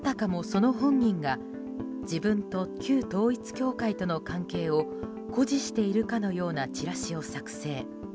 その本人が自分と旧統一教会との関係を誇示しているかのようなチラシを作成。